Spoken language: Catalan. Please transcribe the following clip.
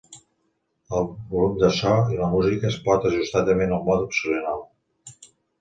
El volum del so i la música es pot ajustar també en el mode opcional.